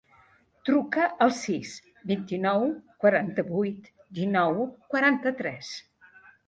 Truca al sis, vint-i-nou, quaranta-vuit, dinou, quaranta-tres.